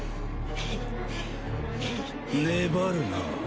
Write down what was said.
粘るな。